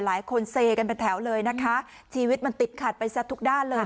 หลายคนเซกันเป็นแถวเลยนะคะชีวิตมันติดขัดไปซะทุกด้านเลย